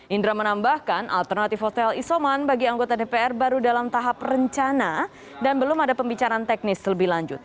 indra menambahkan alternatif hotel isoman bagi anggota dpr baru dalam tahap rencana dan belum ada pembicaraan teknis lebih lanjut